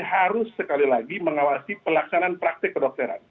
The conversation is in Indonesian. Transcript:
harus sekali lagi mengawasi pelaksanaan praktik kedokteran